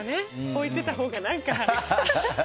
置いてたほうが。